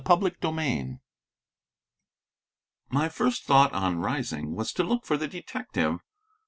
CHAPTER XIV My first thought on rising was to look for the detective.